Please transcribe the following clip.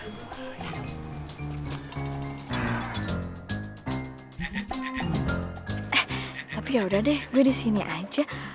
eh tapi ya udah deh gue di sini aja